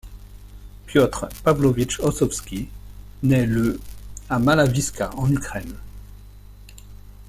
Piotr Pavlovitch Ossovski naît le à Mala Vyska, en Ukraine.